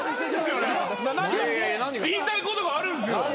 言いたいことがあるんすよ。